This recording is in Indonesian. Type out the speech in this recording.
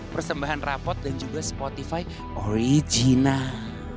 persembahan rapot dan juga spotify original